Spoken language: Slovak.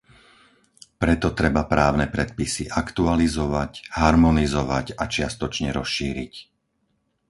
Preto treba právne predpisy aktualizovať, harmonizovať a čiastočne rozšíriť.